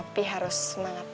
papi harus semangat